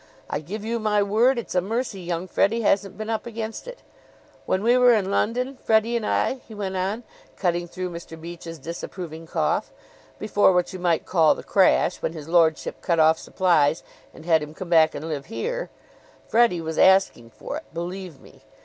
I give you my word, it's a mercy young Freddie hasn't been up against it! When we were in London, Freddie and I," he went on, cutting through Mr. Beach's disapproving cough, "before what you might call the crash, when his lordship cut off supplies and had him come back and live here, Freddie was asking for it believe me!